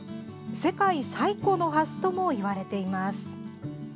世界最古のハスともいわれています。